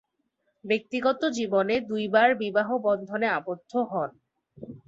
ব্যক্তিগত জীবনে দুইবার বিবাহ-বন্ধনে আবদ্ধ হন।